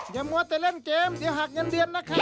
มัวแต่เล่นเกมเดี๋ยวหักเงินเดือนนะครับ